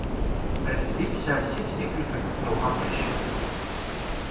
Rfed-itt sers-itt d ifelfel d ṭumaṭic.